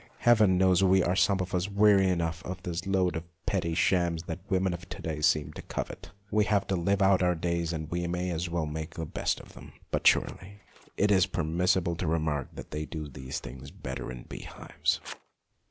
Heaven knows we are some of us weary enough of this load of petty shams that the women of to day seem to covet ! We have got to live out our days, and we may as well make the best of them, but surely it is permissible to remark that they do these things better in bee hives.